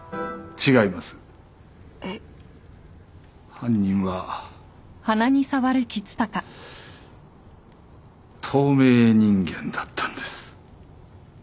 犯人は透明人間だったんです。